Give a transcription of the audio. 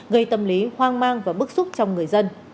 gây tâm lý hoang mang và bức xúc trong người dân